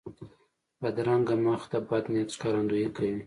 بدرنګه مخ د بد نیت ښکارندویي کوي